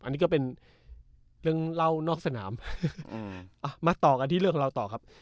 อันนี้ก็เป็นเรื่องเล่านอกสนามมาต่อกันที่เรื่องของเราต่อครับ